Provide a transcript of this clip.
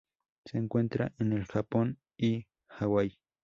Se encuentra en el Japón y Hawaii.